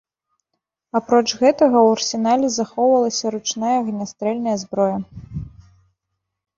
Апроч гэтага ў арсенале захоўвалася ручная агнястрэльная зброя.